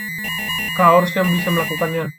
Kau harusnya bisa melakukannya.